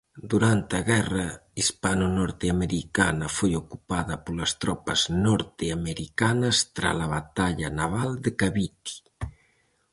Durante a guerra hispano-norteamericana foi ocupada polas tropas norteamericanas trala Batalla naval de Cavite.